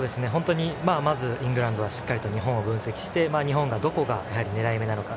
まずイングランドはしっかりと日本を分析して日本のどこが狙い目なのか